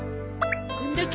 こんだけ？